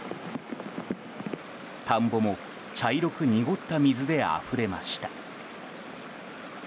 田んぼも茶色く濁った水であふれました。